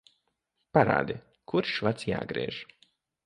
Parādi, kurš vads jāgriež.